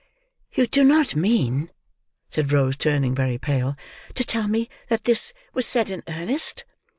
"You do not mean," said Rose, turning very pale, "to tell me that this was said in earnest?"